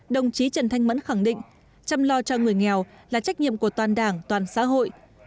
đồng chí trần thanh mẫn khẳng định chăm lo cho người nghèo là trách nhiệm của toàn đảng toàn xã hội